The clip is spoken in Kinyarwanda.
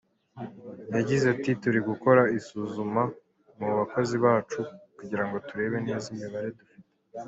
Yagize ati “Turi gukora isuzuma mu bakozi bacu kugira ngo turebe neza imibare dufite.